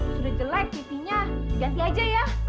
sudah jelek tv nya diganti aja ya